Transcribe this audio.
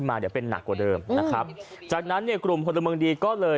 มาเดี๋ยวเป็นหนักกว่าเดิมนะครับจากนั้นเนี่ยกลุ่มพลเมืองดีก็เลย